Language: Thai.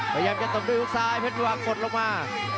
พยายามจะตบทุกซ้ายเพชรภาพยักษ์กดลงมา